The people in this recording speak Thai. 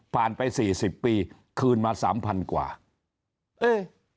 ไปสี่สิบปีคืนมาสามพันกว่าเอ้ย